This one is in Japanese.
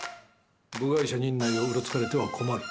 部外者に院内をうろつかれては困る。